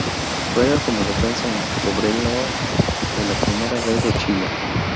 Juega como Defensa en Cobreloa de la Primera B de Chile.